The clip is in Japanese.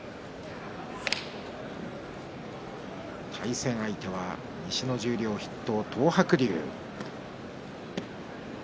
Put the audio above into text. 対戦相手は西の十両筆頭の東白龍です。